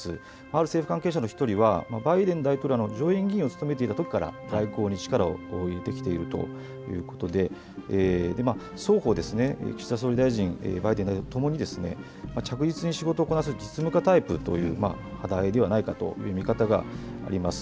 ある政府関係者の１人はバイデン大統領は上院議員を務めていたときから外交に力を入れてきているということで双方、岸田総理大臣、バイデン大統領ともに着実に仕事をこなす実務家タイプという方ではないかという見方があります。